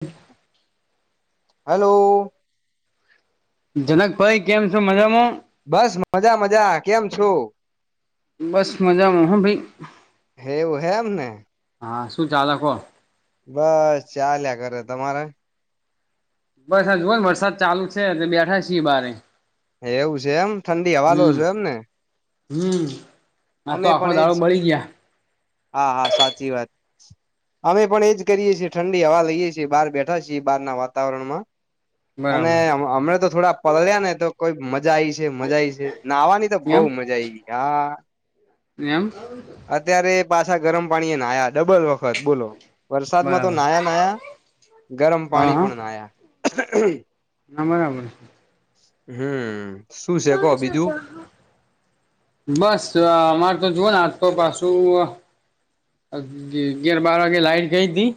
હમ. Hello. Janakbhai કેમ છો મજામાં? બસ મજા મજા કેમ છો? બસ મજામાંહા ભાઈ. હેઉ એમ ને. હા શું ચાલકો? બસ ચાલ્યા કરે તમારે? બસ આ જોુઓ ને વરસાદ ચાલુ છે બેઠા છીએ બારે. એવું છે એમ ઠંડી હવાલો હમ છો એમ ને. હમ, ના તો અમે પણ આખો એજ દાળો બળી ગયા. હા હા સાચી વાત. અમે પણ એજ કરીએ છીએ ઠંડી હવા લઈએ છીએ બાર બેઠા છીએ બાર ના વાતાવરણ માં. અને બરાબર હમણાં તો થોડા પલળ્યા ને તો કોઈ મજા આ આવી છે મજા આ છેને આવાની તો બઉ એમ મજા જાય ગ હા. એમ? અત્યારે પાછા ગરમ પાણી એને આયા ડબલ વખત બોલો. વરસાદમાં તો બરાબર નાયા નાયા, ગરમ હા પાણી હા પણ નાયા. ના બરાબર. હમ. શું ત છે કો બીજું જાલ્યા હ [unintelligible] બસ અમારે તો જુઓ ને આજ તો પાછું ગેર બાર વાગે લાઈટ ગઈ હતી.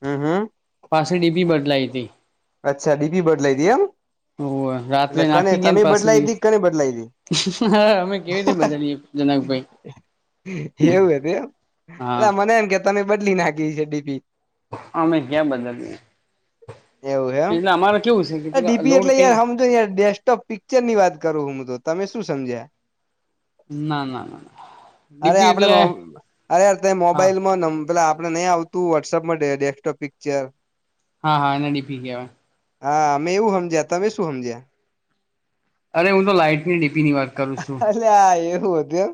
હમ હમ. પાસેડી બી બદલાઈ હતી. અચ્છા ડીપી બદલાઈ દઈ એમ હોવે રાત્રે એટલે કને નાખી ગયા તમે ને પાસે બદલાઈ તી કને બદલાઈ દિવસે હા અમે કેવી રીતે બદલીએ જનકભાઈ એવું હતું એમ હા અલા મને એમ કે તમે બદલી નાખી છે ડીપી અમે કયા બદલીએ એવું એમ એટલે અમારે કેવું છે કે પેલા ડીપી લોડ એટલે કઈ યાર હમજો ડેસ્ક ટોફ પિક્ચર ની વાત કરું હું તો તમે શું સમજ્યા ના ના ના અરે ડીપી આપડે એટલે મો અરે યાર તમે હા મોબાઈલ માં પેલા આપણે નહી આવત તું વોટ્સપ ડેસ ડેસ્કટોપ પિક્ચર હા હા એને ડીપી કેવાય હા અમે એવું હમજ્યા તમે શું હમજ્યા અરે હું તો લાઈટ ની ડીપી ની વાત કરું છું. અલેયા આ એવું હતું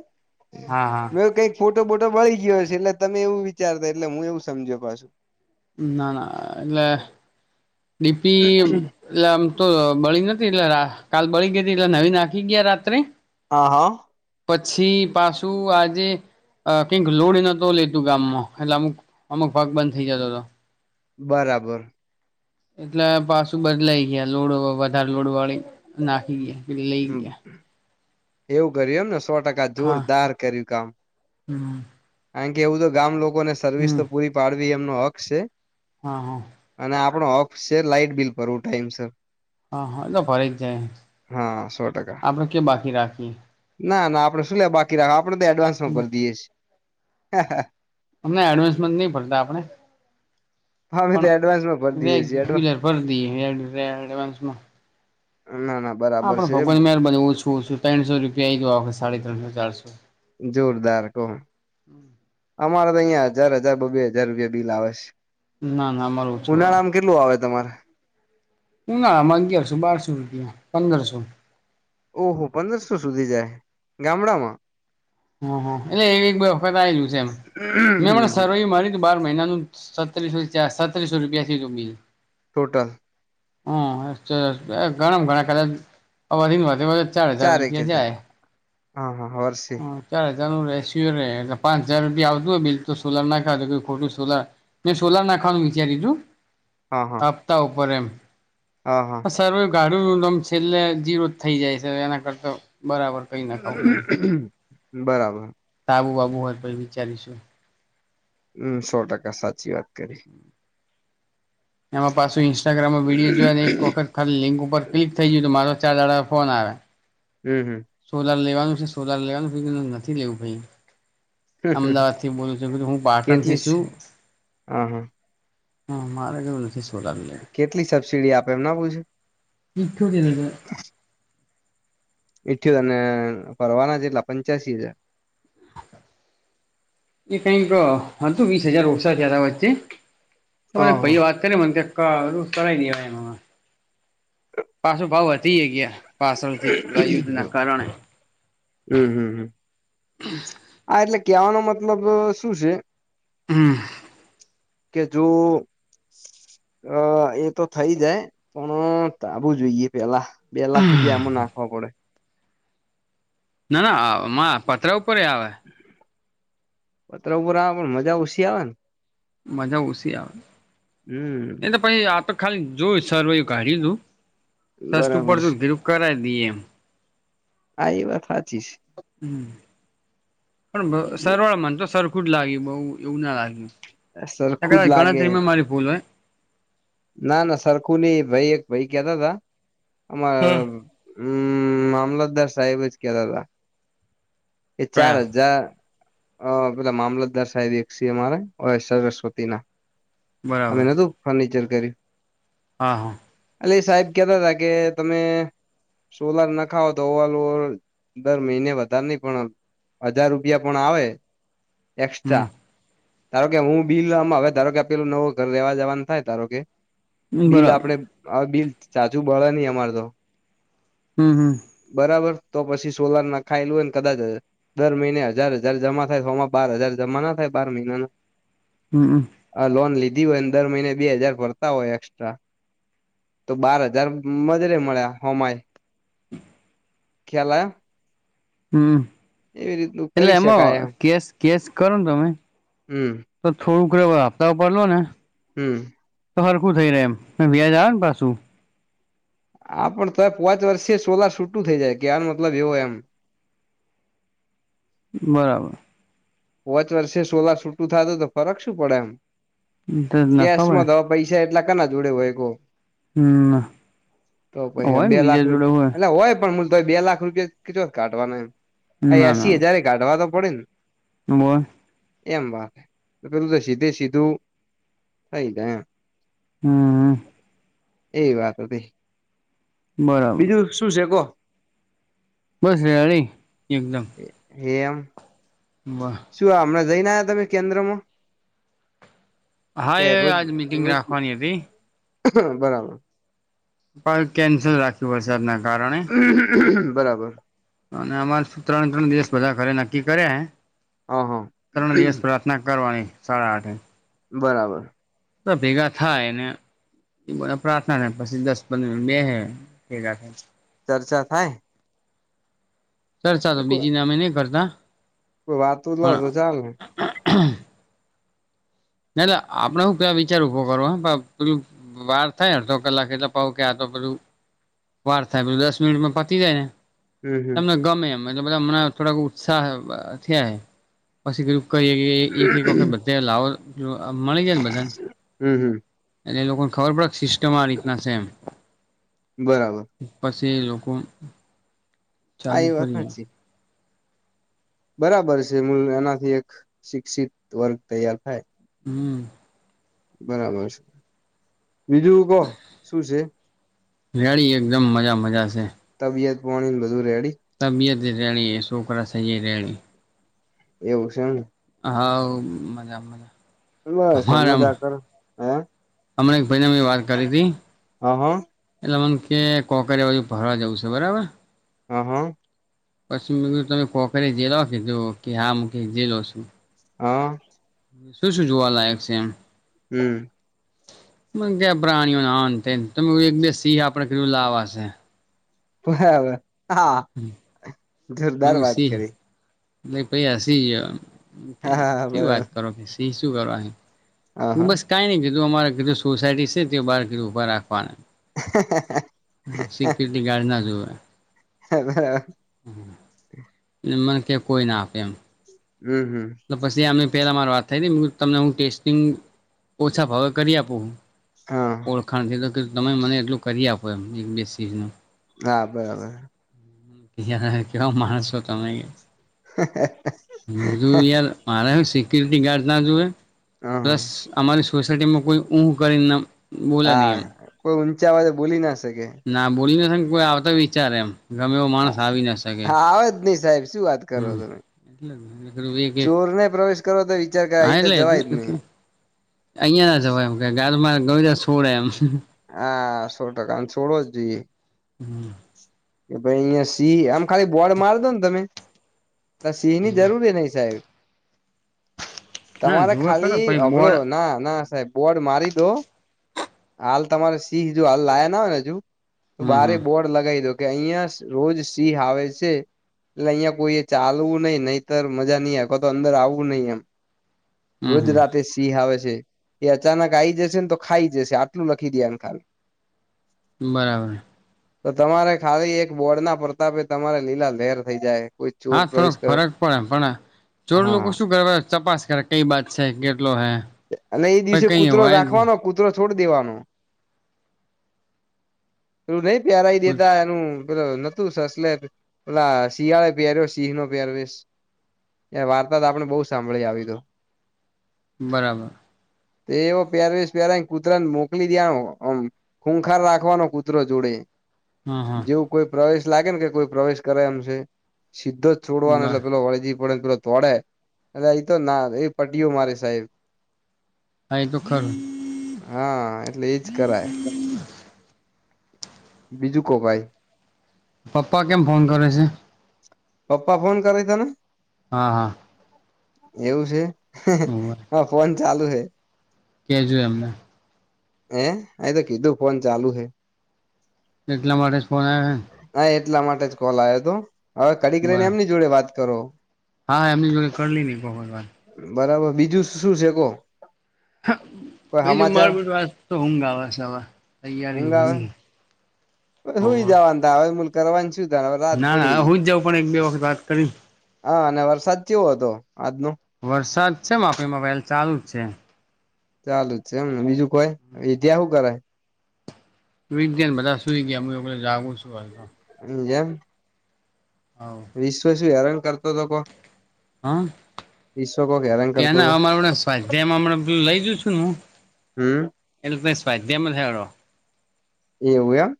એમ હા હા મે કઈક ફોટો બોટો બળી ગયો છે એટલે તમે એવું વિચારતા એટલે એવું સમજ્યો પાછું. ના ના એટલે ડીપી એટલે આમ તો બળી નથી એટલે કાલ બળી ગઈ હતી એટલે નવી નાખી ગયા રાત્રે હા હં પછી પાછું આજે અ કંઈક લોડ નતો લેતો ગામમાં એટલે અમુક અમુક ભાગ બંધ થઈ જતો હતો બરાબર. એટલે પાસું બદલા લઈ ગયા લોડ વધારે લોડ વાળી નાખી ગયા એટલે લઈ ગયા એવું કર્યું એમને સો ટકા જોરદાર કર્યું કામ હમ્મ કારણ કે એવું તો ગામ લોકોને સર્વિસ તો પૂરી પાડવી એમનો હક છે. હા હ અને આપણો હક છે લાાઈટ બિલ ભરવું ટાઈમ સર હા હા તો ભરાઈ જાય હા સો ટકા આપડે કે બાકી રાખીએ ના ના આપડે શું લે બાકી રાખો આપણેે તો એડવાન્સમાં ભરી દઇએ છીએ અમને એડવાન્સમેન્ટ નહી ભડતા આપડે અમે તો પણ એડવાન્સમાં ભરી દઈએ છીએ એડવા રેગ્યુલર ભર દ ઈએ એડવાન્સ મા ના ના બરાબર આપણે છે ભગવાની મહેરબાની ઓછું ઓછું ત્રણસો રૂપિયા આઈ ગયો સાડા ત્રણસો ચારસો જોરદાર કોણ અમારે તો અહિયાં હજાર હજાર બ બેહજાર રૂપિયા બિલ આવે છે. ના ના મારું ઓછું આવે ઉનાળામાં કેટલું આવે તમારે ઉનાળામાં અગીયાર સો બારસો રૂપિયા પંદરસો ઓહો પંદરસો સુધી જાય ગામડામાં હ હા એટલે એક બે વખત આયુ છે એમ હમણા સરવેઈ મારી બાર મહિનાનું સત્રીસો ચાર સત્રીસો રૂપિયા થીયુ તું બીલ ટોટલ હમ ગણા ઘણા ખચ વધી વધીને ચાર હજાર ચારેક રૂપિયા જાય હજાર હા વર્ષ હ ચાર હજારું રેસકુ રે પાંચ હજાર રૂપીયા આવતું હોય બિલ તો સોલર નાખાય ખોટું સોલાર મેં સોલાર નાખવાનું વિચાર્યું હતું હા હા હપ્તા ઉપર એમ અ હ સરવે ગાડું નો આમ છેલ્લે જીરો જ થઈ જાય છે એના કરતા બરાબર કઈ નાખાવું બરાબર. સાબું બાબુ હોય તો પછી વિચારીશું. હમ સો ટકા સાચી વાત કરી. એમાં પાછું ઇન્સ્ટાગ્રામમાં વિડીિયો જોયો ને એક વખત ખાલી લિંક ઉપર ક્લિક થઈ ગયું તો મારો ચાર દાડામાં ફોન આવે. હમ હમ સોલાર લેવાનું છે, સોલાર લેવાનું નથી, મેં કીધું નથી લેવું ભાઈ. અમદાવાદ થી બોલું છું એમ કીધું, હું કેટલી પાટણથી સ- છું. હા હા હમ મારે કીધું નથી સોડાવવી. કેટલી સબસિડી આપે એમ ના પૂછ્યું? ઇઠયોતેર હજાર [unintelligible] ઇઠયોતેર ને ભરવાના ચેટલા પંચ્યાસી હજાર? એ કઈક હતું વીસ હજાર ઓછા થ્યા તા વચ્ચે, ખબર નહિ હા હા પહી વાત છે ને મન કહે કરવુ હોય તો કરાઈ દેવાય એમાં, પાછો ભાવ વધી એ ય ગયા. પાસળ થી પેલા યુદ્ધ ના કારણે. હમ હમ હમ હા એટલે કેહેવાનો મતલબ શું છે. હમ. કે જો અ એ તો થઈ જાય પણ ધાબું જોઈએ પહેલા. બે લાખ રૂપિયા એમાં નાખવા પડે. ના ના આ આમાં પતરા ઉપર એ ય આવે. પતરા ઉપર આવે પણ મજા ઓછી આવે ને. મજા ઓછી આવે, હમ એને પહી આ તો ખાલી જોયુ, સરવૈયું કાઢ્યું તું, સસ્તું બરાબર છે પડતું જ ધીરું કરાઇ દઈએ એમ. હા એ વાત સાચી છે. હમ પણ મ છે સરવાળે મન તો સરખું જ લાગ્યું, બહુ એવું ના લાગ્યું. સરખું જ [unintelligible] લાગે ગણતરીમાં મારી ભૂલ હોય. ના ના સરખું નહી એ ભાઈ એક ભાઈ કેતા તા, અમાર હોય હમ્મ મામલતદાર સાહેબ જ કેતા હતા. એ ચાર કયા હજાર અ પેલા મામલતદાર સાહેબ એક સીએમ હારે સરસ્વતી ના અમે બરાબર નતું. ફર્નિચર કર્યું. હા હા. એટલે એ સાહેબ કહેતા હતા કે તમે સોલર નખાવ તો [unintelligible] દર મહિને વધાર નહી પણ હજાર રૂપિયા પણ આવે. હમ એક્સ્ટ્રા ધારો કે હું બિલમાં હવે ધારો કે પેલું નવ ઘર લેવા જવાનું થાય ધારો કે. બિલ બરાબર આપડે અવ બિલ ઝાઝું બળે નહી અમાર તો. હમ્મ હમ્મ. બરાબર તો પછી સોલાર નાખાયેલું હોય ને કદાચ દર મહિને હજાર હજાર જમા થાય તોમાં બાર હજાર જમા ના થાય બાર મહિનાના હમ્મ. આ લોન લીધી હોય ને દર મહિને બે હજાર ભર તા હોય એસ્ટ્રા તો બાર હજાર મજરેે મળ્યા હોમાય ખ્યાલા હમ રીતનું એટલે કરી એમાં શકાય એમ કેશ કેશ કરો ને તમે. હમ તો થોડું ઘણું હફતા ભરી લો ને હમ્મ. તો હરખું થઈ રે એમ બે હજાર આવે ને પાછું. આ પણ તો પાંચ વર્ષે સોલાર છૂટું થઈ જાય કે આનો મતલબ એવો એમ. બરાબર. પોચ વર્ષે સોલા છૂટું થાય તો ફરક શું પડે એમ નફા હોય કેસમાં દો પૈસા એટલા કેના જોડે હોય કો હમ તો પહે હોય ને બે લાખ બીજા રૂપ જોડે એટલે હોય પણ મલ તો બે લાખ પણ કિ કીટો કાઢવાના એમ આ એસી હજાર કાઢવા તો પડે ને. તુ બોલ. એમ વાત પેલું તો સીધે સીધું થઈ જાય એમ. હમ્મ. એ વાત હતી બરાબર બીજું શું છે કો. બસ રેડી એકદમ. એ એમ. વાહ. શું હમણાં જઈને આવ્યા તમે કેન્દ્ર માં. હા એ રોજ આજ મીટિંગ રોજ રાખવાની હતી. બરાબર. પણ કેન્સલ રાખ્યું વરસાદના કારણે. બરાબર. અને અમારે શું ત્રણ ત્રણ દિવસ બધા ઘરે નક્કી કર્યા હે હા હા ત્રણ દિવસ ના કરવાની સાડા આઠે બરાબર. તો ભેગા થાય ને એને પ્રાર્થના પછી દસ પંદર બેહે રાખે ચર્ચા થાય. ચર્ચા તો બીજી ના અમે નહી કરતા. કોઈ વાતું જ હો તો પણ ચાલ ને [inaudible] ના ના આપડે હું કેવા વિચાર ઉભો કરો હ પેલું. વાર થાય અડધો કલાક એટલે પઉ કે આ તો બધું. વાર થાય પેલે દસ મિનિટમાં પતી જાય ને. હમ હમ તમને ગમે એમ એટલે બધા મને થોડાક ઉત્સાહ થયા પછીધું. કરી એક એક વખત બધા લાવો જો આ મળી જાય ને બધાને હમ હમ એટલે એ લોકોને ખબર પડે સિસ્ટમ આ રીતના છે એમ. બરાબર પછી એ લોકો આ ચાલુ એ વાત કરીએ હાચી. બરાબર છે મ એનાથી એક શિક્ષિત વર્ગ તૈયાર થાય હમ. બરાબર છે, બીજું કો શું છે? રેડી એકદમ મજા મજા છે. તબિયત પોણી વધુ રેડી? તબિયત રહેણી એ શોકરા સ રહેણી. એવું છેમ ને. હા મજા મજા. બસ સમજ કર હે. અમનેક ભાઈને મે વાત કરી હતી. હ હ હ એટલે મને કે કોકર બાજુ ભરવા જવું છે બરાબર. હ હા. પશ્ચિમ બંગુ તમે કોખરે જેલો કે જો કે હા હ જેે લો છું. હા. શું શું જોવાલાયક છે એમ? હમ. મ ક્યાં પ્રાણીઓને અંત તમે એક બે સિંહ આપણેધું લાવવાશે. બરાબર હા. જોરદાર વાત સીહ, કરી એ પૈ હા હા સી વાત બરાબર કરો. તે શું કરો, હા તું હા મસ્ કાઈ નહી કીધું અમારા કધું સોસાયટી છે તે બાર કીધું ભા રાખવાના. હ [unintelligible] હ સિક્યુરિટી ગાર્ડ ના જોવે. હ [unintelligible] એ મને કે કોઈ ના આપે એમ. હમ હમ. પછીને પેલા માર વાત થઈ તમને હું ટેસ્ટિંગ ઓછા ભાવે કરી આપું. હા ઓળખાણ તો તમે મને એટલું કરી આપો એ એક બે સી ન. હા બરાબર. કે કેવા માાર છો તમે. હ [unintelligible] યાર મારે સિક્યુરિટી ગાર્ડ ના જોએ, હા પ્લસ અમારી સોસાયટીમાં કોઈ ઊં કરીને બોલે હા નહીં એમ કોઈ ઊંચા વા તો ભૂલી ના શકે. ના બોલી નથી ને કોઈ આવતા વિચારે એમ. ગમે એવો માણસ હા આવી ના શકે, આવે જ નહી સાહેબ શું વાત કરો હમ. તમે એટલે એક ચોર ને પ્રવેશ કરો તો વિચાર કર એ હા તો એટલે એટલે જવાય જ નહી. એટલે [unintelligible] અહિયાં ના જવા એમ કે ગા મા ગ છોડે એમ. હષો ટકા છોડવો જ જોઈએ. હમ. કે ભાઈ અહિયાયા સિંહ આમ ખાલી બોર્ડ માર દો ને તમે, તો સિંહ ની જરૂરી નહી સાહેબ. ના તમારે જુએ ખરો ખાલી પહી હબળો બોર્ડ ના ના સાહેબ. બોર્ડ મારી દો હાલ તમારે સિંહ હજ હાલ લાયા ના હોયને હજુ. તો હમ બારે હમ બોર્ડ લગાવી દો કે અહિયાં રોજ સિંહ આવે છે. એટલે અહિયાયા કોઈ ચાલવું નઈ નહીતર મજા નઈ અખવા તો અંદર આવવું નહિ એમ. હમ રોજ હમ રાતે ઈ આવે છે એ અચાનક આઈ જશે ને તો ખાઈ જશે આટલું લખી દે એમ ખાલ. બરાબર. તો તમારે ખાલી એક બોર્ડ ના પ્રતાપે તમારે લીલા લેર થઈ જાય. કોઈ ચોર હા થોડોક પ્રવેશ કરે ફરક પડે પણ ચોર હા લોકો શું કરવા ચપાસ કરે કઈ બાત છે કેટલો હે અને એ પાઈ દિવસે કઈ કૂતરો હોય જ. રાખવાનો છોડી દેવાનું, તું નહી પ્યાર નહી આનું પેલુ નતું સલે પે શિયાળે પહેર્યો સિંહ નો પહેર એ વાર્તા તો આપણે બહુ સાંભળી આવી તો. બરાબર. તો એવો પહેરવેશ પરાઈ ન કૂતરા ને મોકલી દયા આમ. ખૂંખાર રાખવાનો કુતરો જોડે. હા હા જેવું કોઈ પ્રવેશ લાગે ને કે કોઈ પ્રવેશ કરાય એમ છે સીધો જ છોડવાનું બા એટલે પે વળે જ પડે ને પેલો તોડે એટલે આ તો ના એ પટ્ટીઓ મારે સાહેબ. આઈ તો ખર હા એટલે એજ કરાય. બીજું કો ભાઈ. પપ્પા કેમ ફોન કરે છે? પપ્પા ફોન કરે તને? હા હા. એવું છે હ ફોન ચાલુ છે. કેજુ એમને. એ અ તો કીધું ફોન ચાલુ હે. એકલા માટે જ ફોન આયો હેન. હા એટલા માટે જ કોલ આવ્યો હતો હવે કડીક ને રને બરાબર એમની જોડે વાત કરો. હા એમની જોડે કરલી હીઈ બહુ જ વાર. બરાબર બીજું શું છે કોહ? બીજું મરટવા તો હુંગ આવે શે હવે તૈયારીની હુગની. સુઈ જવાનુ તારે હવ કરવાની છું ત હ રાત ના ના પડી. હું જ જઉં પણ એક બે વખત વાત કરી હા અને વરસાદ કેવો હતો આજનો? વરસાદ છે માપણીમાં વલ ચાલુ જ છે. ચાલુ છે એમને બીજું કોય એ ત્યાં શું કરે? વિધા ને બધા સુઈ ગયા હું એ જાગું છું હવ તો. હ જેમ. હવ. વિશ્વસ હેરાન કરતો હતો લોકો? હા કોક હેરાન કરતો ત્યાંના હતો આવ આપણે સ્વાધ્યાયમાં હમણાં બધું લઈ જઉ છું ન હું હમ એટલે સ્વાધ્યાયમાં થાયળો. એવું એમ?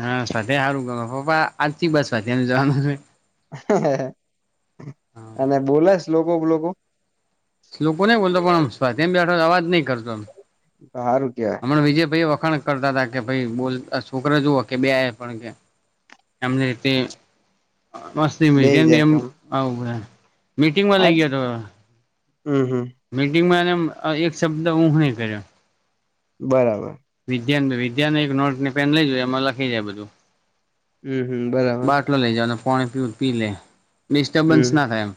હા સ્વાધ્યાય હારુ પપા આજથી બસ જવાનું છે. અને બોલેસ લોકો બલો? લોકો નહી બોલતા પણ આમ સ્વાધ્યાય મ બેઠો અવાજ નહી કરતો. હારુ કેવાય. હમણા વિજય ભાઈ વખાણ કરતા હતા કે ભાઈ બોલ છોકરા જુઓ કે બે પણ કે એમને તે મસ બેહી બે જાય એમ કામ આવ, મીટિંગમાં લઈ ગયા હતો. હમ હમ. મીટિંગમાં એ એક શબ્દ ઉ નહી કર્યો. બરાબર. વિદ્યા વિદ્યા ને એક નોટ ની પેન લઈ જોઈએ એમાં લખી જાય બધું. હમ હમ બરાબર. ટ લઈ જ પાણી પી પી લે, ડિસ્ટર્બન્સ હમ ના થાય એમ.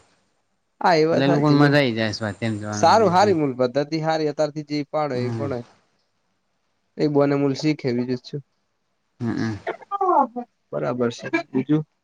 હા એવા એટલે સાચ, લોકોને મજા આઈ જાય સ્વાધ્યાય સારું હારી મલ બધાથી હારી. અતારથી જે પાડે એ જવાનું પડે, એ બોને હલ શીખેવી જ છું. હમ હમ. બરાબર છે બીજું.